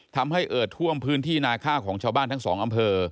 ทำให้เอิดท่วมพื้นที่นาค่าของชาวบ้านทั้งสองอำเภอ